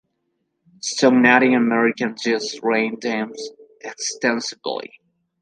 Some Native Americans used rain dances extensively.